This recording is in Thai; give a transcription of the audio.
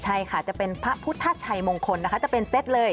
ใช่ค่ะจะเป็นพระพุทธชัยมงคลนะคะจะเป็นเซตเลย